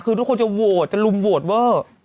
คือทุกคนจะโหวตจะลุมโหวตเวอร์